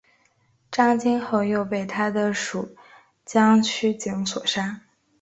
张津后又被他的属将区景所杀。